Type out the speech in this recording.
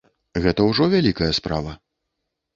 Гэта ўжо вялікая справа.